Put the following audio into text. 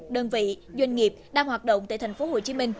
đơn vị doanh nghiệp đang hoạt động tại tp hcm